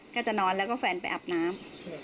ก็จะนอนแล้วก็แฟนไปอาบน้ำ